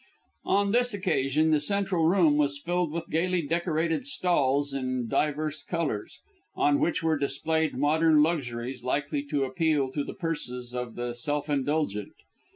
On this occasion the central room was filled with gaily decorated stalls in divers colours, on which were displayed modern luxuries likely to appeal to the purses of the self indulgent.